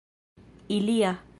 ilia